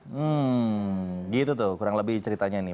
hmm gitu tuh kurang lebih ceritanya nih